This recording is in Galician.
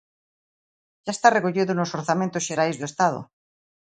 Xa está recollido nos Orzamentos Xerais do Estado.